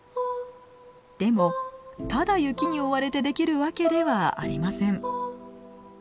でもただ雪に覆われてできるわけではありません。